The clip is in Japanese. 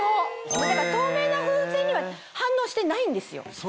透明な風船には反応してないんですよ。